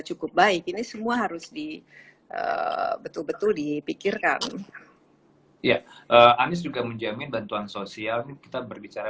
cukup baik ini semua harus di betul betul dipikirkan ya anies juga menjamin bantuan sosial kita berbicara